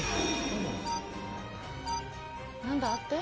・何だって？